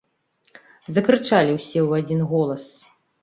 - закрычалi ўсе ў адзiн голас.